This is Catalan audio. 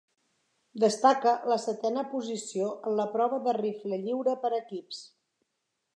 Destaca la setena posició en la prova de rifle lliure per equips.